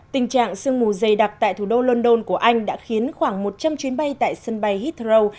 tình trạng sương mù dày đặc tại thủ đô london của anh đã khiến khoảng một trăm linh chuyến bay tại sân bay hitter